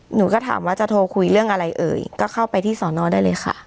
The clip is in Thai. หนูก็ถามว่าจะโทรคุยเรื่องอะไรเอ่ยก็เข้าไปที่สอนอได้เลยค่ะ